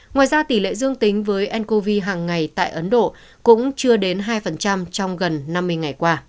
ngoài ra tỷ lệ dương tính với ncov hàng ngày tại ấn độ cũng chưa đến hai trong gần năm mươi ngày qua